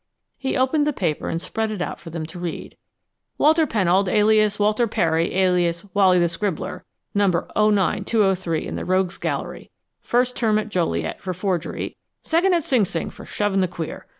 He opened the paper and spread it out for them to read. "Walter Pennold, alias William Perry, alias Wally the Scribbler, number 09203 in the Rogues' Gallery. First term at Joliet, for forgery; second at Sing Sing for shoving the queer.